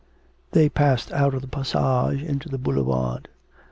They passed out of the passage into the boulevard.